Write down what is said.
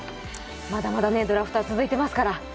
まだまだドラフトは続いてますから。